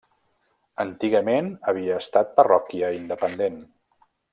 Antigament havia estat parròquia independent.